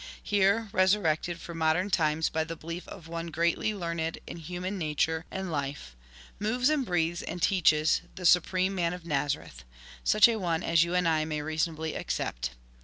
Here, resurrected for modern times by the belief of one greatly learned in human nature and life, moves and breathes and teaches the su preme Man of Nazareth ; such a one as you and I may reasonably accept.